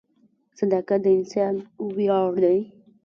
• صداقت د انسان ویاړ دی.